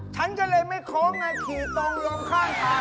ฉันจะเลยไม่โขงขี่ตรงล้มข้างทางไปเลย